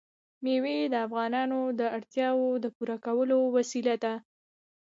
مېوې د افغانانو د اړتیاوو د پوره کولو وسیله ده.